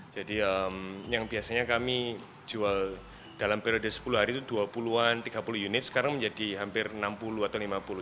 jadi yang biasanya kami jual dalam periode sepuluh hari itu dua puluh an tiga puluh unit sekarang menjadi hampir enam puluh atau lima puluh